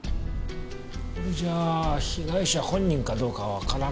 これじゃあ被害者本人かどうかはわからないねえ。